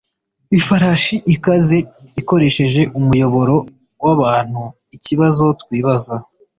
ifarashi ikaze ikoresheje umuyoboro wabantuikibazo twibaza